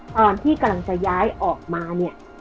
ตอนที่กำลังจะย้ายออกมาเนี่ย